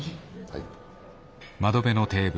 はい。